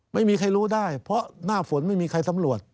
ไม่มีใครรู้ได้เพราะหน้าฝนไม่มีใครสำรวจ